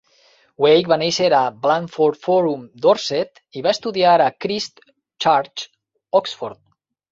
Wake va néixer a Blandford Forum, Dorset, i va estudiar a Christ Church, Oxford.